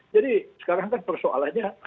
jadi sekarang kan persoalannya